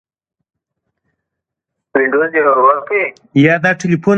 هغه خپل پلار په مصر کې ولید.